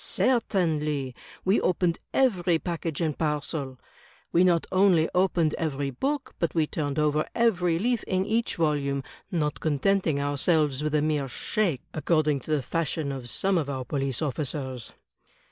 "Certainly; we opened every package and parcel; we not only opened every book, but we turned over every leaf in each volimie, not contenting ourselves with a mere shake, according to the fashion of some of our police officers.